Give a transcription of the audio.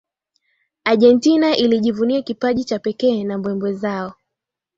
Argentina ilijivunia kipaji cha kipekee na mbwembwe za